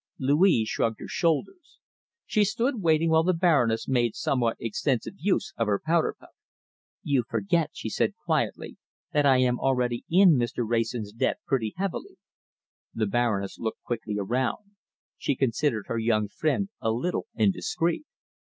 Louise shrugged her shoulders. She stood waiting while the Baroness made somewhat extensive use of her powder puff. "You forget," she said quietly, "that I am already in Mr. Wrayson's debt pretty heavily." The Baroness looked quickly around. She considered her young friend a little indiscreet.